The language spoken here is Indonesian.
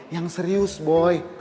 yang serius boy